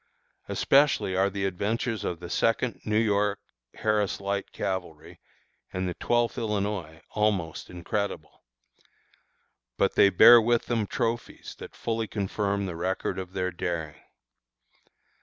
Especially are the adventures of the Second New York (Harris Light Cavalry) and the Twelfth Illinois almost incredible. But they bear with them trophies that fully confirm the record of their daring.